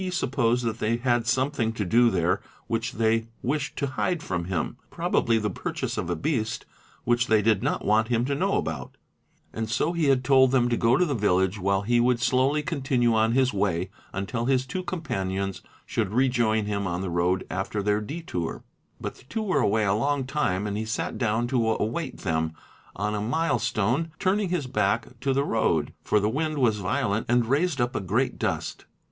supposed that they had some thing to do there which they wished to hide from him, probably the purchase of a beast which they did not want him to know about; and so ESSENTIAL QUALITIES 27 he had told them to go to the village while he would slowly continue on is way until his two companions should rejoin him on the road after their ' But the two were away a long time and he sat down to await ~ them on a mile stone, turning his back to the road, for the wind was g violent and raised up a great dust.